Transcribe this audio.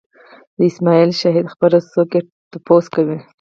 د اسماعیل شاهد خبره څوک یې تپوس کوي